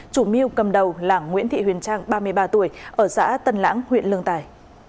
chủ mưu cầm đầu là nguyễn thị huyền trang ba mươi ba tuổi ở xã tân lãng huyện lương tài